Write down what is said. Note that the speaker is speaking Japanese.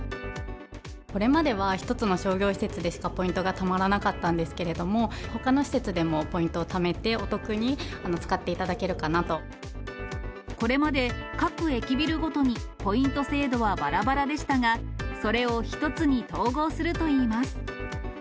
これまでは１つの商業施設でしかポイントがたまらなかったんですけれども、ほかの施設でもポイントをためて、お得に使っていこれまで、各駅ビルごとにポイント制度はばらばらでしたが、それを一つに統合するといいます。